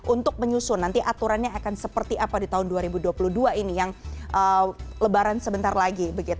untuk menyusun nanti aturannya akan seperti apa di tahun dua ribu dua puluh dua ini yang lebaran sebentar lagi